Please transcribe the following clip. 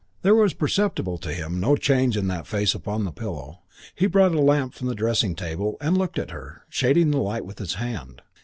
There was perceptible to him no change in that face upon the pillow. He brought a lamp from the dressing table and looked at her, shading the light with his hand.